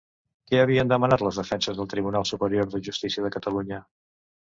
Què havien demanat les defenses al Tribunal Superior de Justícia de Catalunya?